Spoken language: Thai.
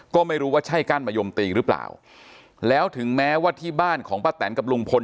ก็ไม่รู้ว่าใช่กั้นมะยมตีหรือเปล่าแล้วถึงแม้ว่าที่บ้านของป้าแตนกับลุงพล